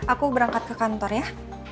aku berangkat ke kantor ya